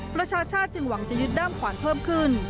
ประชาชาติจึงหวังจะยึดด้ามขวานเพิ่มขึ้น